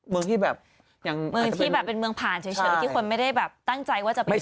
เมืองที่แบบเป็นเมืองผ่านเฉยที่คนไม่ได้แบบตั้งใจว่าจะไปเที่ยว